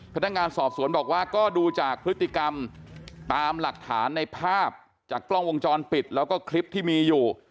พนักงานสอบสวนบอกว่าก็ดูจากพฤติกรรมตามหลักฐานในภาพจากกล้องวงจรปิดแล้วก็คลิปที่มีอยู่